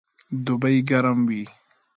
دوبئ ګرم وي